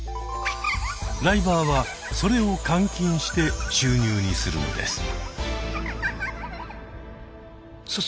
ライバーはそれを換金して収入にするのです。